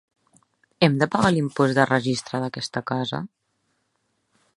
Hem de pagar l'impost de registre d'aquesta casa?